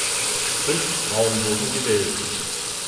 Fünf Frauen wurden gewählt.